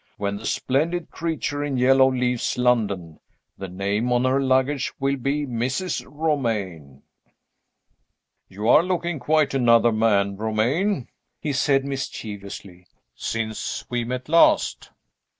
When the splendid creature in yellow leaves London, the name on her luggage will be Mrs. Romayne." "You are looking quite another man, Romayne!" he said mischievously, "since we met last."